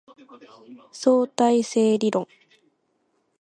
相対性理論